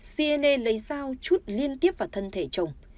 cnn lấy dao chút liên tiếp vào thân thể chồng